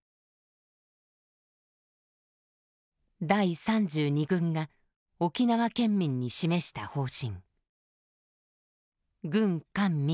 第３２軍が沖縄県民に示した方針。